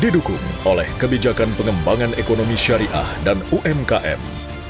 kinerja ekonomi indonesia juga didukung oleh kebijakan pengembangan ekonomi syariah dan umkm